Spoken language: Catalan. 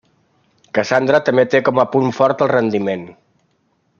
Cassandra també té com a punt fort el rendiment.